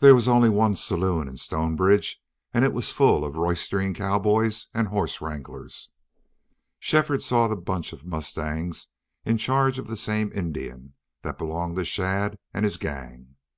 There was only one saloon in Stonebridge, and it was full of roystering cowboys and horse wranglers. Shefford saw the bunch of mustangs, in charge of the same Indian, that belonged to Shadd and his gang.